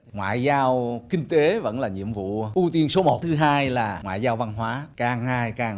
ngoại giao kinh tế vẫn là nhiệm vụ ưu tiên số một thứ hai là ngoại giao văn hóa càng ngày càng